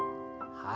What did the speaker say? はい。